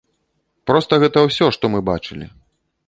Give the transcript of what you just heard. Проста гэта ўсё, што мы бачылі.